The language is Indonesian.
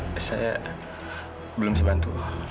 bu saya belum sebantu